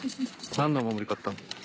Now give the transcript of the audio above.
何のお守り買ったの？